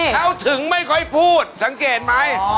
เขาถึงไม่ค่อยพูดสังเกตไหม